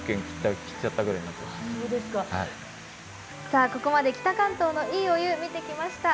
さあここまで北関東のいいお湯見てきました。